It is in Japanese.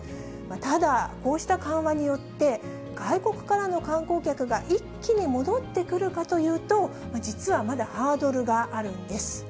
ただ、こうした緩和によって、外国からの観光客が一気に戻ってくるかというと、実はまだハードルがあるんです。